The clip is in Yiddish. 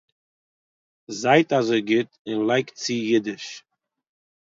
זייט אזוי גוט אין לייגט צו אידיש